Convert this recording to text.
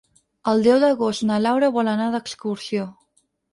El deu d'agost na Laura vol anar d'excursió.